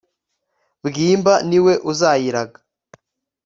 bwimba ni we uzayiraga.